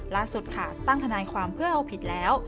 ล่าสุดค่ะตั้งทนายความเพื่อเอาผิดแล้ว